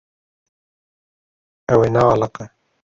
Ew ê nealiqe.